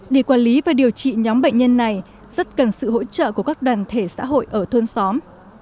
để quản lý và điều trị nhóm bệnh nhân này rất cần sự hỗ trợ của các đoàn thể xã hội ở thôn xóm